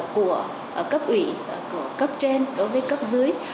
của cấp ủy của cấp trên đối với cấp dưới